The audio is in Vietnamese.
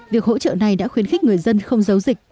việc hỗ trợ này đã khuyến khích người dân không giấu dịch